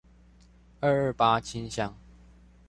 二二八清鄉